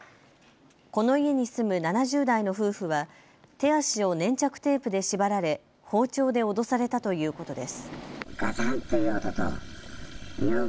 この家に住む７０代の夫婦は手足を粘着テープで縛られ包丁で脅されたということです。